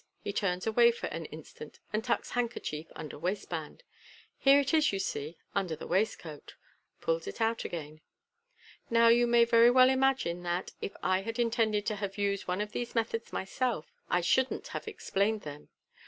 (He turns away for an instant, and tucks handkerchief under waistband.) "Here it is, you see, under the waistcoat." (Pulls it out again.) " Now, you may very well imagine that, if I had intended to have used any of these methods myself, I shouldn't have explained them.